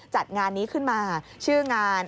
จัดงานนี้ขึ้นมาชื่องาน